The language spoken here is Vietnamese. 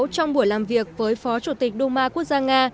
trong buổi làm việc với phó chủ tịch đô ma quốc gia nga